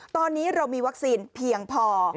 ตอนนี้เรามีวัคซีนเพียงพอ